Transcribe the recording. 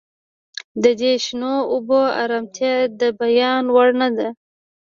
د دې شنو اوبو ارامتیا د بیان وړ نه ده